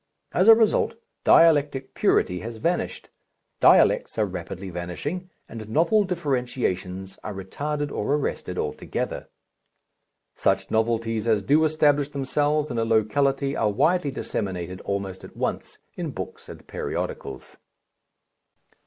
As a result, dialectic purity has vanished, dialects are rapidly vanishing, and novel differentiations are retarded or arrested altogether. Such novelties as do establish themselves in a locality are widely disseminated almost at once in books and periodicals.